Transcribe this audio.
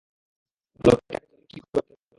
লোকটাকে জমি বিক্রি করতে বললে।